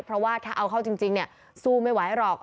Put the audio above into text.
เพราะว่าถ้าเอาเขาจริงจริงเนี่ยสู้ไม่ไหวหรอก